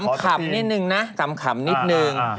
ขำขำนิดหนึ่งนะขำขำนิดหนึ่ง